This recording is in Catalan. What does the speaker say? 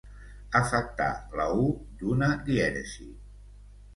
Afectar la u d'una dièresi.